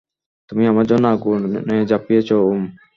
তুমি আমার জন্য আগুনে ঝাঁপিয়েছ ওম।